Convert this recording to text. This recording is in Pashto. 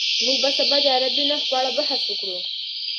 موږ به سبا د عربي نښو په اړه بحث وکړو.